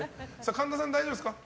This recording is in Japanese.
神田さん、大丈夫ですか。